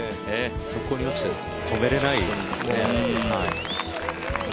そこに落ちて止めれないですね。